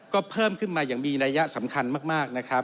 ก็เพิ่มขึ้นมาอย่างมีระยะสำคัญมาก